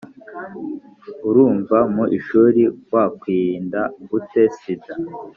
urumva mu ishuri wakwirinda ute sida